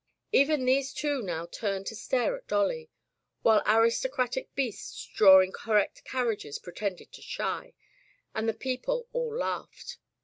Even these two now turned to stare at Dolly, while aristocratic beasts drawing cor rect carriages pretended to shy, and the peo ple all laughed.